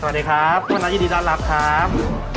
สวัสดีครับวันนั้นยินดีต้อนรับครับ